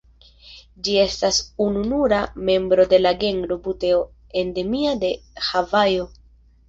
Ĝi estas ununura membro de la genro "Buteo" endemia de Havajo.